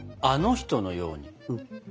あの人のように？